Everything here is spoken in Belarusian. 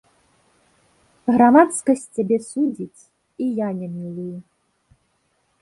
Грамадскасць цябе судзіць, і я не мілую.